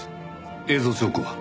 映像証拠は？